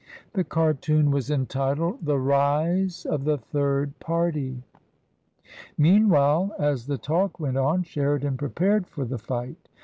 The cartoon was entitled " The Rise of the Third Party r 2o8 TRANSITION. Meanwhile, as the talk went on, Sheridan prepared for the fight.